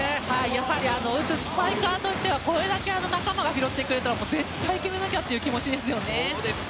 やはり打つスパイカーとしてはこれだけ仲間が拾ってくれたら絶対に決めなきゃという気持ちですよね。